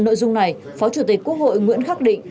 nội dung này phó chủ tịch quốc hội nguyễn khắc định